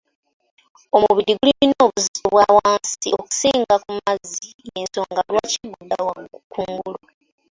Omubiri gulina obuzito bwa wansi okusinga ku mazzi y'ensonga lwaki gudda kungulu.